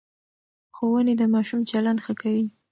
ښوونې د ماشوم چلند ښه کوي.